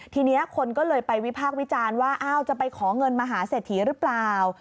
ทีนี้คนก็เลยไปวิภาควิจารณ์ว่าจะไปของเงินมหาเสถียรึเปล่า